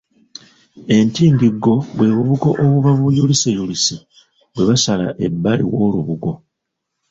Entindiggo bwe bubugo obuba buyuliseyulise bwe basala ebbali w'olubugo.